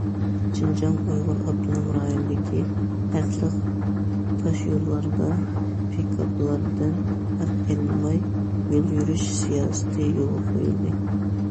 شىنجاڭ ئۇيغۇر ئاپتونوم رايونىدىكى ھەقلىق تاشيوللاردا پىكاپلاردىن ھەق ئېلىنماي يول يۈرۈش سىياسىتى يولغا قويۇلدى.